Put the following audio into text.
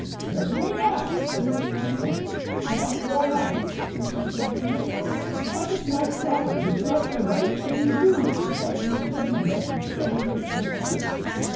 "Certainly not," said Mrs. Bindle. "But why?" persisted Bindle. "Because it's not proper; it's not the right thing to do," replied Mrs. Bindle, as she struggled into her bodice.